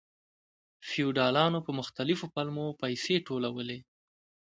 فیوډالانو په مختلفو پلمو پیسې ټولولې.